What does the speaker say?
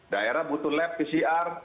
daerah butuh lab pcr